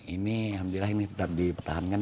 ini alhamdulillah ini tetap dipertahankan